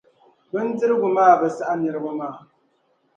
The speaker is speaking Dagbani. Bindirigu maa bi saɣi niriba maa.